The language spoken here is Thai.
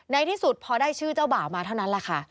ที่สุดพอได้ชื่อเจ้าบ่าวมาเท่านั้นแหละค่ะ